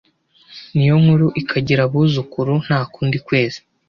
Ni yo nkuru ikagira abuzukuru Nta kundi kwezi